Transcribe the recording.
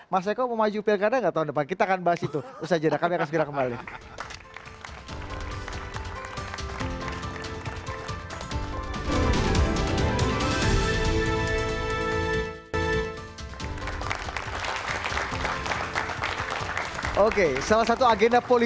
masa kok mau maju pdip tahun depan